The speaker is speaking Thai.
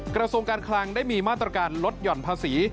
กระทรวงการคลังได้มีมาตรการลดหย่อนภาษี